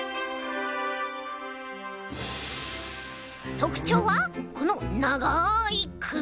とくちょうはこのながいくび！